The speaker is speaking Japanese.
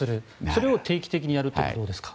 それを定期的にやるというのはどうですか？